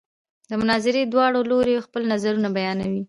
د مناظرې دواړه لوري خپل نظرونه بیانوي.